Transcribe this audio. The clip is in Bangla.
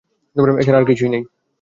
এছাড়া আর কিছুই নেই।